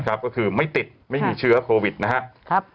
ก็คือไม่ติดไม่มีเชื้อโควิดนะครับ